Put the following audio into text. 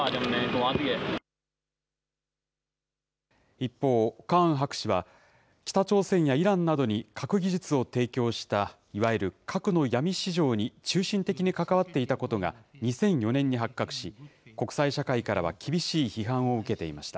一方、カーン博士は、北朝鮮やイランなどに核技術を提供したいわゆる核の闇市場に中心的に関わっていたことが２００４年に発覚し、国際社会からは厳しい批判を受けていました。